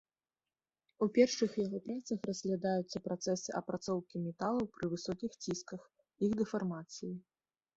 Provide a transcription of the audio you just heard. У першых яго працах разглядаюцца працэсы апрацоўкі металаў пры высокіх цісках, іх дэфармацыі.